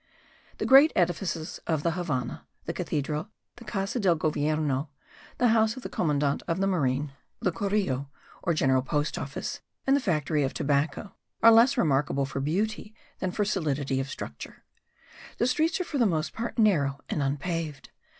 The great edifices of the Havannah, the cathedral, the Casa del Govierno, the house of the commandant of the marine, the Correo or General Post Office and the factory of Tobacco are less remarkable for beauty than for solidity of structure. The streets are for the most part narrow and unpaved.